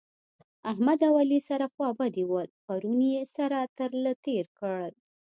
احمد او علي سره خوابدي ول؛ پرون يې سره تر له تېر کړل